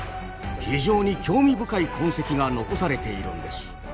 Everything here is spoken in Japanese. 非常に興味深い痕跡が残されているんです。